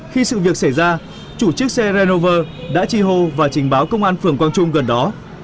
khi sự việc xảy ra chủ chiếc xe renover đã chi hô và trình báo công an phường quang trung gần đó